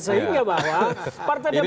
sehingga bahwa partai jokowi